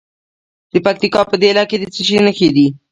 د پکتیکا په دیله کې د څه شي نښې دي؟